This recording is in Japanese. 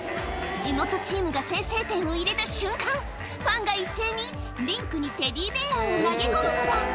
地元チームが先制点を入れた瞬間、ファンが一斉に、リンクにテディベアを投げ込むのだ。